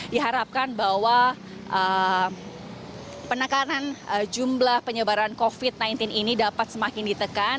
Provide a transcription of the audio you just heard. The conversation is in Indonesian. diharapkan bahwa penekanan jumlah penyebaran covid sembilan belas ini dapat semakin ditekan